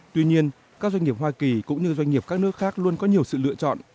tuy nhiên các doanh nghiệp hoa kỳ cũng như doanh nghiệp các nước khác luôn có nhiều sự lựa chọn